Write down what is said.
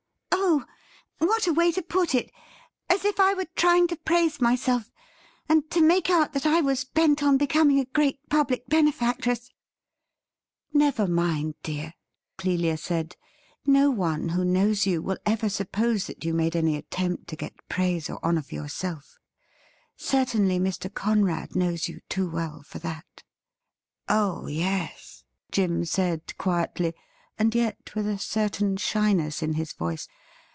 Oh, what a way to put it !— as if I were trying to praise myself and to make out that I was bent on becoming a great public benefactress !' 'Never mind, dear,'' Clelia said. 'No one who knows you will ever suppose that you made any attempt to get praise or honour for yourself. Certainly Mr. Conrad knows you too well for that.' ' Oh yes,' Jim said quietly, and yet with a certain shy ness in his voice.